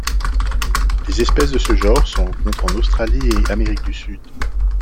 Les espèces de ce genre se rencontrent en Australie et Amérique du Sud.